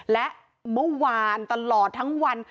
และเมื่อวานตลอดทั้งวัน